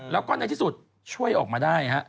แล้วก็ในที่สุดช่วยออกมาได้ฮะ